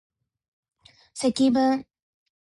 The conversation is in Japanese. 積分